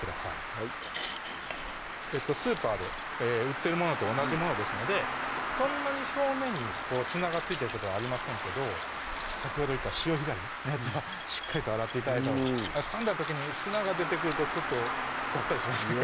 はいスーパーで売ってるものと同じものですのでそんなに表面に砂が付いてることはありませんけど先ほど言った潮干狩りになるとしっかりと洗って頂いたほうがかんだ時に砂が出てくるとちょっとがっかりしませんか？